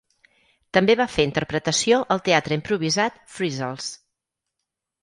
També va fer interpretació al teatre improvisat Frizzles.